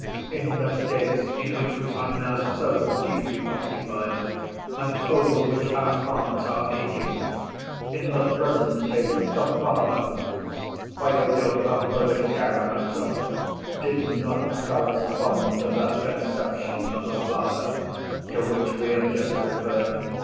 In the case in which we are now so deeply occupied and over which our hearts are aching—in the present case, the father, Fyodor Pavlovitch Karamazov, did not correspond to that conception of a father to which we have just referred.